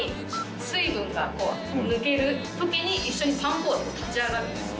水分が抜ける時に一緒にパン粉が立ち上がるんです。